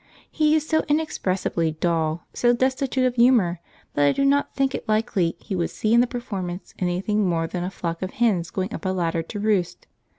He is so inexpressibly dull, so destitute of humour, that I did not think it likely he would see in the performance anything more than a flock of hens going up a ladder to roost.